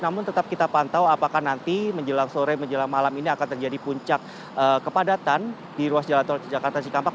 namun tetap kita pantau apakah nanti menjelang sore menjelang malam ini akan terjadi puncak kepadatan di ruas jalan tol jakarta cikampek